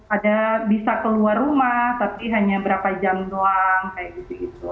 ada bisa keluar rumah tapi hanya berapa jam doang kayak gitu gitu